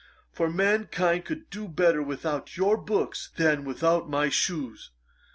For mankind could do better without your books, than without my shoes."